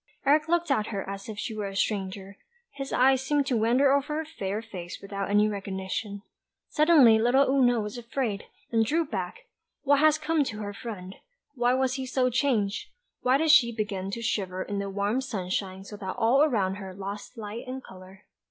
Eric looked at her as if she were a stranger; his eyes seemed to wander over her fair face without any recognition. Suddenly little Oona was afraid, and drew back; what had come to her friend? Why was he so changed? Why did she begin to shiver in the warm sunshine so that all around her lost light and colour?